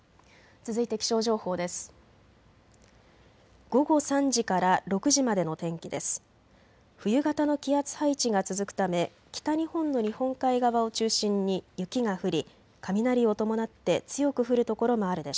続いて気象情報です。